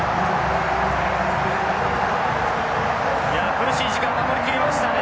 苦しい時間守りきりましたね。